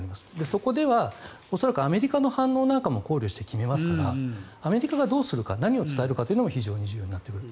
そこでは恐らくアメリカの反応なんかも考慮して決めますからアメリカがどうするか何を伝えるかというのも非常に重要になってくる。